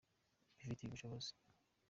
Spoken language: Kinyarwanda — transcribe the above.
mbifitiye ubushobozi.